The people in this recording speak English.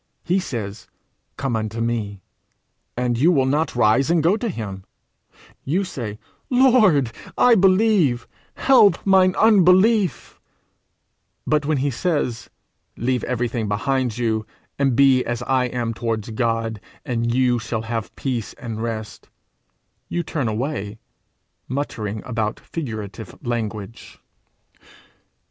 He says, 'Come unto me,' and you will not rise and go to him. You say, 'Lord I believe; help mine unbelief,' but when he says, 'Leave everything behind you, and be as I am towards God, and you shall have peace and rest,' you turn away, muttering about figurative language.